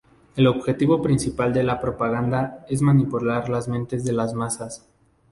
El objetivo principal de la propaganda es manipular las mentes de las masas.